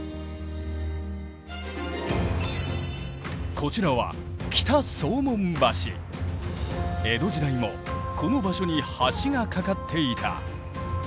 こちらは江戸時代もこの場所に橋が架かっていた。